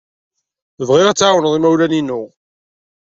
Bɣiɣ ad tɛawned imawlan-inu.